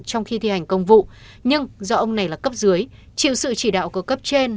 trong khi thi hành công vụ nhưng do ông này là cấp dưới chịu sự chỉ đạo của cấp trên